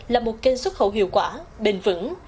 là một kênh xuất khẩu hiệu quả bền vững